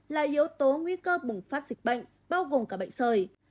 là yếu tố nguy cơ bùng phát dịch bệnh bao gồm cả bệnh sởi